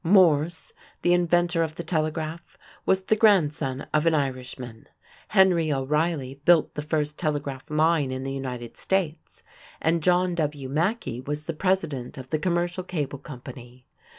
Morse, the inventor of the telegraph, was the grandson of an Irishman; Henry O'Reilly built the first telegraph line in the United States; and John W. Mackey was the president of the Commercial Cable Company.